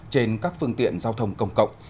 trên các phương tiện giao thông công cộng